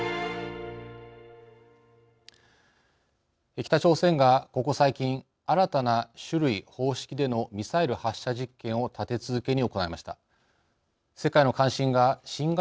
北朝鮮がここ最近新たな種類・方式でのミサイル発射実験を立て続けに行いました。